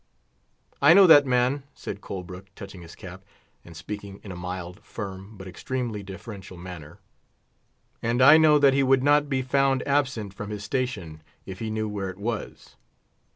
"I know that man," said Colbrook, touching his cap, and speaking in a mild, firm, but extremely deferential manner; "and I know that he would not be found absent from his station, if he knew where it was."